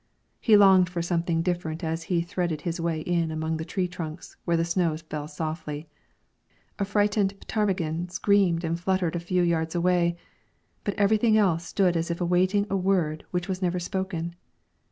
He longed for something different as he threaded his way in among the tree trunks, where the snow fell softly. A frightened ptarmigan screamed and fluttered a few yards away, but everything else stood as if awaiting a word which never was spoken.